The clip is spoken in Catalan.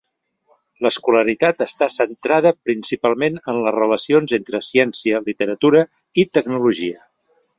L"escolaritat està centrada principalment en les relacions entre ciència, literatura i tecnologia.